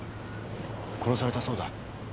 殺されたそうだ。